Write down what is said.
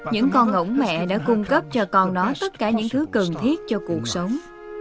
những con ngỗng mẹ đã cung cấp cho con nó tất cả những thứ cần thiết cho cuộc sống